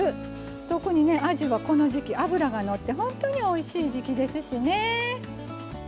特にねあじはこの時季脂が乗って本当においしい時季ですしね。